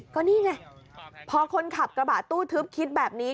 ก็นี่ไงพอคนขับกระบะตู้ทึบคิดแบบนี้